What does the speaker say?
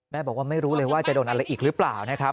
บอกว่าไม่รู้เลยว่าจะโดนอะไรอีกหรือเปล่านะครับ